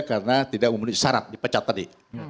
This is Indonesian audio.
karena tidak memenuhi syarat dipecat tadi